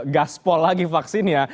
gaspol lagi vaksin ya